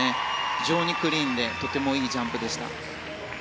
非常にクリーンでとてもいいジャンプでした。